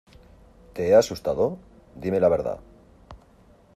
¿ Te he asustado? Dime la verdad.